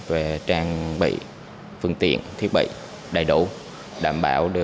về trang bị phương tiện thiết bị đầy đủ